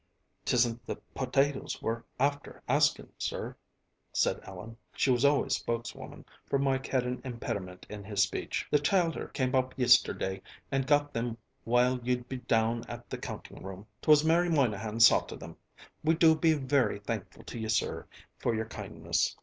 "'Tisn't the potatoes we're after asking, sir," said Ellen. She was always spokeswoman, for Mike had an impediment in his speech. "The childher come up yisterday and got them while you'd be down at the counting room. 'Twas Mary Moynahan saw to them. We do be very thankful to you, sir, for your kindness."